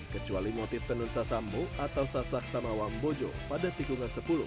kecuali motif tenunsa sambo atau sasak samawang bojo pada tikungan sepuluh